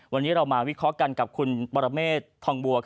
วันนี้เรามาวิเคราะห์กันกับคุณปรเมฆทองบัว